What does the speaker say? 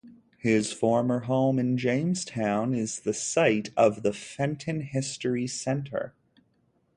His former home in Jamestown is the site of the Fenton History Center.